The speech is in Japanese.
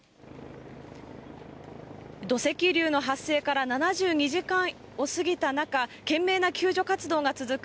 土石流の発生から７２時間を過ぎた中、懸命な救助活動が続く